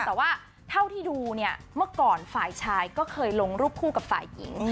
แต่ว่าเท่าที่ดูเนี่ยเมื่อก่อนฝ่ายชายก็เคยลงรูปคู่กับฝ่ายหญิง